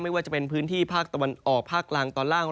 ว่าจะเป็นพื้นที่ภาคตะวันออกภาคกลางตอนล่าง